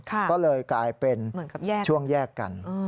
ก็เลยกลายเป็นช่วงแยกกัน